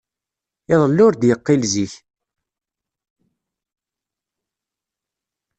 Iḍelli ur d-yeqqil zik.